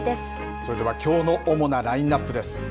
それではきょうの主なラインナップです。